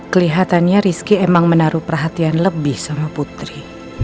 kelihatannya rizky emang menaruh perhatian lebih sama putri